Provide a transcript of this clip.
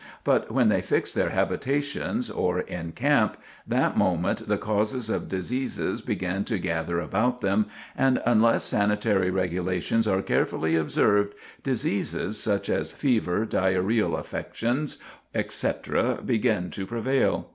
But when they fix their habitations or encamp, that moment the causes of disease begin to gather about them, and unless sanitary regulations are carefully observed, diseases, such as fever, diarrhoeal affections, etc., begin to prevail.